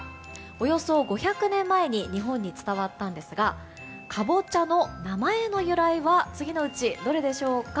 およそ５００年前に日本に伝わったんですがかぼちゃの名前の由来は次のうちどれでしょうか。